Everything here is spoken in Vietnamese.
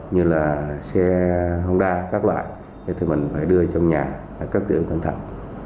như là xe hông đa các loại thì mình phải đưa trong nhà cấp tiểu cẩn thận